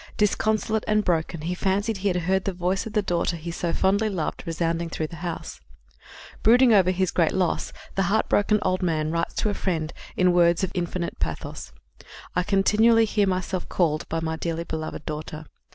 Disconsolate and broken, he fancied he heard the voice of the daughter he so fondly loved resounding through the house. Brooding over his great loss, the heart broken old man writes to a friend in words of infinite pathos, "Mi sento continuamente chiamare della mia diletta figlioula I continually hear myself called by my dearly beloved daughter."